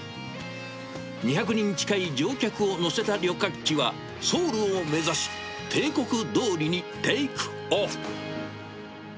２００人近い乗客を乗せた旅客機はソウルを目指し、定刻どおりにテイクオフ。